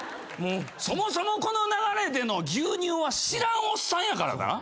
そもそもこの流れでの牛乳は知らんおっさんやからな。